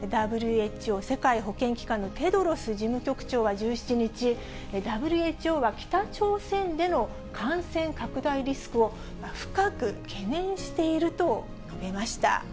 ＷＨＯ・世界保健機関のテドロス事務局長は１７日、ＷＨＯは北朝鮮での感染拡大リスクを、深く懸念していると述べました。